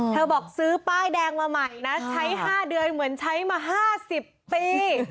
บอกซื้อป้ายแดงมาใหม่นะใช้๕เดือนเหมือนใช้มา๕๐ปี